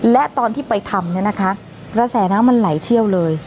และตอนที่ไปทำเนี่ยนะคะกระแสน้ำมันไหลเชี่ยวเลย